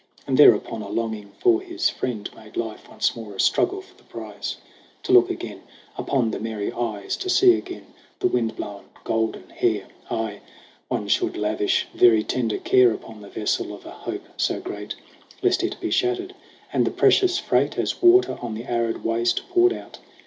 And thereupon a longing for his friend Made life once more a struggle for a prize To look again upon the merry eyes, To see again the wind blown golden hair. Aye, one should lavish very tender care Upon the vessel of a hope so great, Lest it be shattered, and the precious freight, As water on the arid waste, poured out.